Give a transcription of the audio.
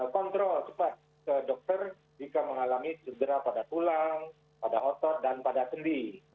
kontrol cepat ke dokter jika mengalami cedera pada tulang pada otot dan pada sendi